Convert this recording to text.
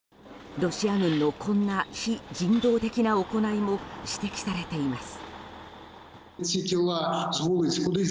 ロシア軍のこんな非人道的な行いも指摘されています。